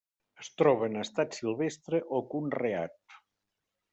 Es troba en estat silvestre o conreat.